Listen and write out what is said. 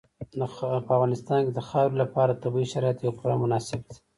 په افغانستان کې د خاورې لپاره طبیعي شرایط پوره مناسب دي.